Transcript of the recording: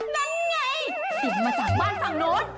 นั่นไงติดมาจากบ้านฝั่งโน้น